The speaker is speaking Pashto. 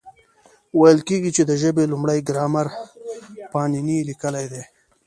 ویل کېږي، چي د ژبي لومړی ګرامر پانني لیکلی دئ.